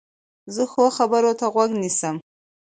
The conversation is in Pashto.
زه ښو خبرو ته غوږ نیسم.